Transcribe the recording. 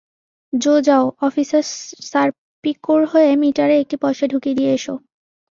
জো যাও অফিসার সারপিকোর হয়ে মিটারে একটি পয়সা ঢুকিয়ে দিয়ে এসো।